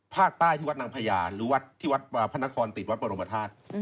ภาคใต้ที่วัดนางพญาหรือวัดที่วัดพระนครติดวัดบรมธาตุ